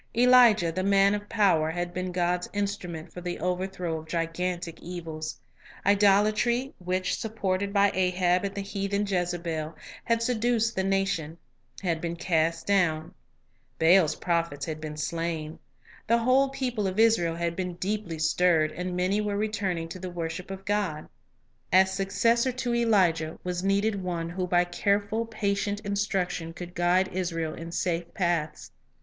Elijah, the man of power, had been God's instru ment for the overthrow of gigantic evils. Idolatry, which, supported by Ahab and the heathen Jezebel, had seduced the nation, had been cast down. Baal's prophets had been slain. The whole people of Israel 1 2 Kings 2 : 6 15. Lives of Great Men 6 1 had been deeply stirred, and many were returning to the worship of God. As successor to Elijah Was needed one who by careful, patient instruction could guide Israel in safe paths.